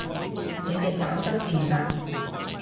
你哋搞得掂㗎